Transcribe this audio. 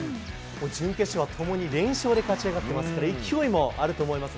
準決勝はともに連勝で勝ち上がってますから、勢いもあると思います。